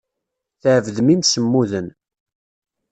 Tɛebdem imsemmuden.